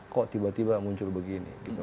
kok tiba tiba muncul begini